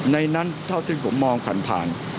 ในนั้นเท่าที่ผมมองผ่าน